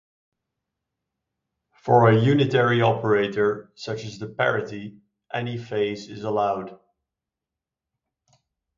For a unitary operator, such as the parity, any phase is allowed.